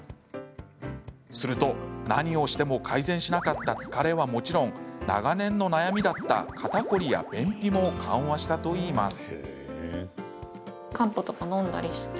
すると、何をしても改善しなかった疲れはもちろん長年の悩みだった肩こりや便秘も緩和したといいます。